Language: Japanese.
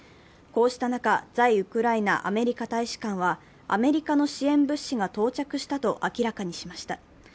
こうした中、在ウクライナ・アメリカ大使館はアメリカの支援物資が到着したと明らかにしました。